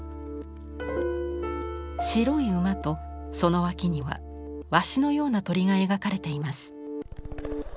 白い馬とその脇にはワシのような鳥が描かれています。